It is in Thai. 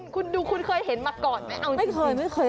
คุณดูคุณเคยเห็นเอาหรือไม่เหมือนกัน